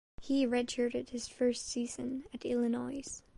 He redshirted his first season at Illinois.